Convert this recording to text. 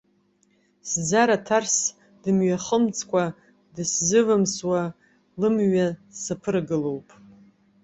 Сӡара ҭарс, дымҩахымҵкәа дызсывымсуа лымҩа саԥырагылоуп.